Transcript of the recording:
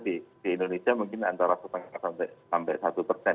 di indonesia mungkin antara setengah sampai satu persen